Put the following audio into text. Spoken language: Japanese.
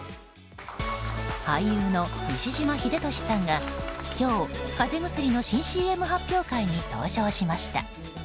俳優の西島秀俊さんが今日、風邪薬の新ＣＭ発表会に登場しました。